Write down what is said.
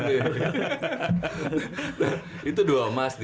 terlatih ya ya gue demen nih